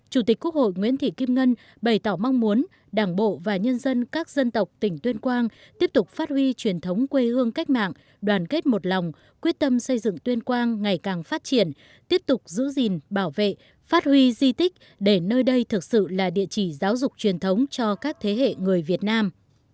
chủ tịch quốc hội nguyễn thị kim ngân bày tỏ mong muốn đảng bộ và nhân dân các dân tộc tỉnh tuyên quang tiếp tục phát huy truyền thống quê hương cách mạng đoàn kết một lòng quyết tâm xây dựng tuyên quang ngày càng phát triển tiếp tục giữ gìn bảo vệ phát huy di tích để nơi đây thực sự là địa chỉ giáo dục truyền thống cho các thế hệ người việt nam